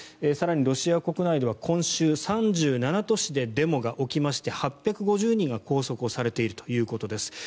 更に、ロシア国内では今週、３７都市でデモが起きまして、８５０人が拘束されているということです。